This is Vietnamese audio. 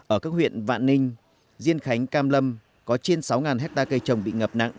ở các huyện vạn ninh diên khánh cam lâm có trên sáu hectare cây trồng bị ngập nặng